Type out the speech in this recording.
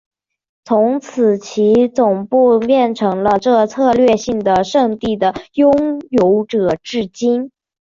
从此其总部变成了这策略性的圣地的拥有者至今。